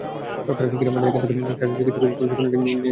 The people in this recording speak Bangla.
তারা শিগগির আমাদের এখান থেকে চারজন চিকিৎসককে প্রশিক্ষণের জন্য নিয়ে যাবে।